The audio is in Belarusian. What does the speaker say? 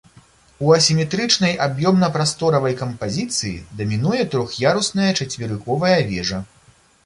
У асіметрычнай аб'ёмна-прасторавай кампазіцыі дамінуе трох'ярусная чацверыковая вежа.